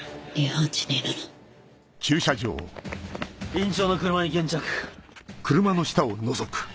院長の車に現着。